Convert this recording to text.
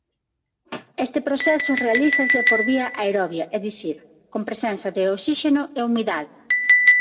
Este proceso realízase por vía aerobia, é dicir, con presenza de oxíxeno e humidade.